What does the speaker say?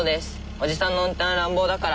おじさんの運転は乱暴だから。